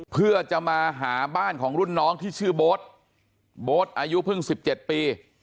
เพื่อจะมาหาบ้านของรุ่นน้องที่ชื่อโบ๊ทโบ๊ทอายุเพิ่ง๑๗ปี